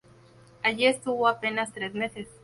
Allí estuvo apenas tres meses.